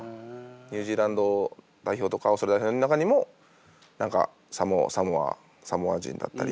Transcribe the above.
ニュージーランド代表とかオーストラリア代表の中にも何かサモア人だったり。